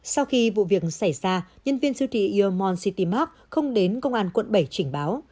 sau khi vụ việc xảy ra nhân viên siêu thị iomon city mark không đến công an quận bảy trình báo